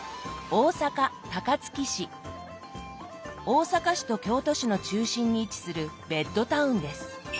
大阪市と京都市の中心に位置するベッドタウンです。